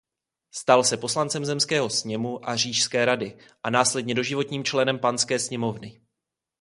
Stal se poslancem zemského sněmu a říšské rady a následně doživotním členem Panské sněmovny.